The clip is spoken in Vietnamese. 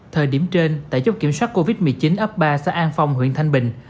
thời điểm trên tại chốt kiểm soát covid một mươi chín ấp ba xã an phong huyện thanh bình